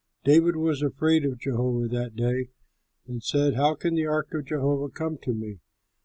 David was afraid of Jehovah that day, and said, "How can the ark of Jehovah come to me?"